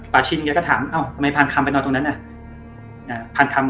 ป่าชินก็ถามเอ้าทำไมพานคำไปนอนตรงนั้นเนี่ย